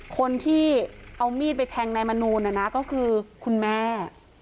คนที่เอามีดไปแทงนายมนูลนะนะก็คือคุณแม่